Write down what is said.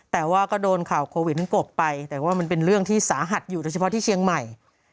แต่ว่าก็โดนข่าวโควิดนั้นกบไปแต่ว่ามันเป็นเรื่องที่สาหัสอยู่โดยเฉพาะที่เชียงใหม่